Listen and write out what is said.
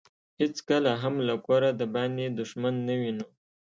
هیڅکله هم له کوره دباندې دښمن نه وينو.